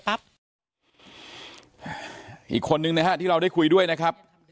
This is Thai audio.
อีกคนนึงนะฮะที่เราได้คุยด้วยนะครับ